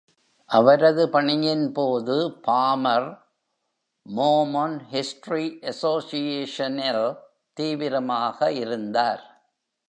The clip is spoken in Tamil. அவரது பணியின்போது Palmer, Mormon History Association ல் தீவிரமாக இருந்தார்.